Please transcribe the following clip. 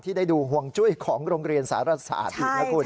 ได้ดูห่วงจุ้ยของโรงเรียนสารศาสตร์อีกนะคุณ